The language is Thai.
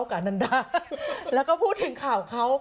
พ่อเขากับหนังดาแล้วก็พูดถึงข่าวเขา